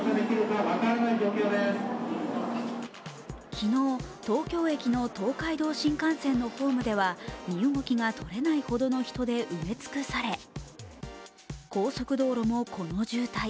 昨日、東京駅の東海道新幹線のホームでは身動きが取れないほどの人で埋め尽くされ高速道路もこの渋滞。